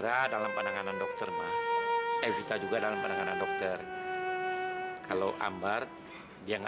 sampai jumpa di video selanjutnya